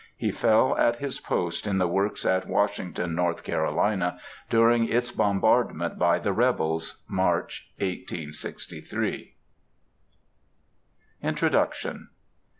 He fell at his post in the works at Washington, North Carolina, during its bombardment by the rebels, March, 1863. INTRODUCTION.